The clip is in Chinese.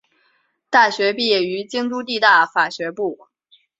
大学毕业于京都帝大法学部。